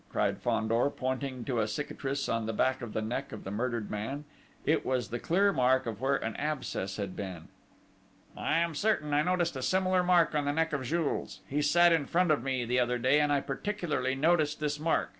cried Fandor, pointing to a cicatrice on the back of the neck of the murdered man: it was the clear mark of where an abscess had been. "I am certain I noticed a similar mark on the neck of Jules. He sat in front of me the other day, and I particularly noticed this mark.